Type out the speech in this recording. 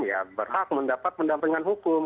ya berhak mendapat pendampingan hukum